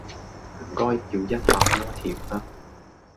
唔該，要一客鍋貼吖